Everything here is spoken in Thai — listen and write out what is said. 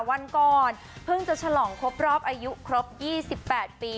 วันก่อนเพิ่งจะฉลองครบรอบอายุครบ๒๘ปี